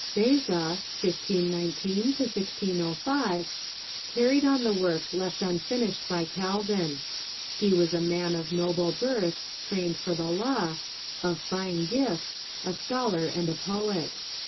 Beza (1519 1605) carried on the work left unfinished by Cal vin. He was a man of noble birth, trained for the law, of fine gifts, a scholar and a poet.